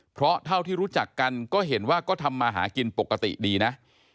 เพราะเท่าที่รู้จักกันก็เห็นว่าก็ทำมาหากินปกติดีนะ